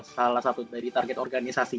salah satu dari target organisasi